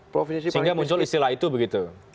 sehingga muncul istilah itu begitu